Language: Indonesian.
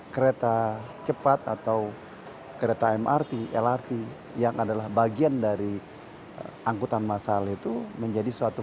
kereta cepat atau kereta mrt lrt yang adalah bagian dari angkutan masal itu menjadi suatu